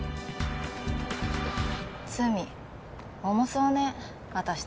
罪重そうね私たち。